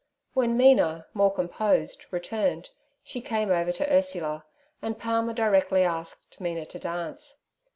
When Mina, more composed, returned, she came over to Ursula, and Palmer directly asked Mina to dance.